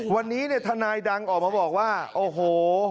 วันนี้เนี่ยทนายดังออกมาบอกว่าโอ้โห